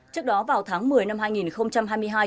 trước đó vào tháng một mươi năm hai nghìn hai mươi hai